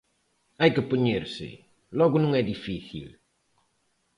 Hai que poñerse, logo non é difícil.